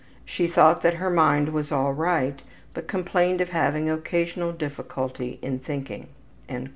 She thought that her mind was all right, but complained of having occasional difficulty in thinking.''